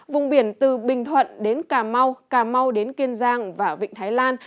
vùng biển từ bình thuận đến cà mau cà mau đến kiên giang và vịnh thái lan